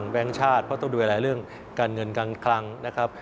แก๊งชาติเพราะต้องดูแลเรื่องการเงินการคลังนะครับ